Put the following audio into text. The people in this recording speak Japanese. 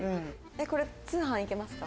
これ通販行けますか？